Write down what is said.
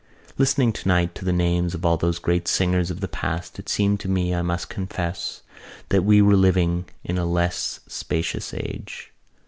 Listening tonight to the names of all those great singers of the past it seemed to me, I must confess, that we were living in a less spacious age.